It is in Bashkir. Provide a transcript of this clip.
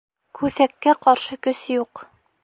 Күҫәккә ҡаршы көс юҡ